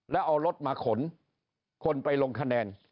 แล้วเอารถมาขนคนไปลงคะแนน